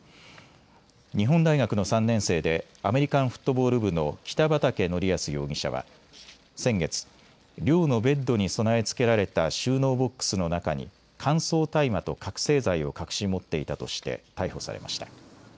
日本大学の３年生でアメリカンフットボール部の北畠成文容疑者は先月、寮のベッドに備え付けられた収納ボックスの中に乾燥大麻と覚醒剤を隠し持っていたとして逮捕されました。